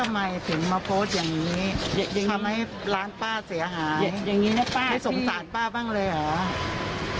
ไม่สงสารป้าบ้างเลยเหรอ